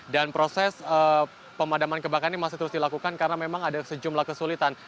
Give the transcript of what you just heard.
dan proses pemadaman kebakaran ini masih terus dilakukan karena memang ada sejumlah kesulitan